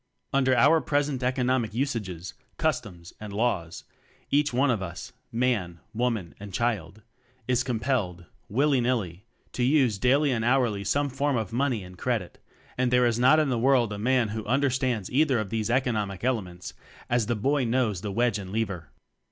Under our present economic us ages, customs and laws, each one of us man, woman and child is com pelled, willy nilly, to use daily and hourly some form of "money" and "credit"; and there is not in the world a man who understands either of these economic elements, as the boy knows the wedge and lever.